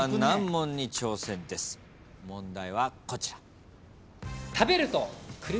問題はこちら。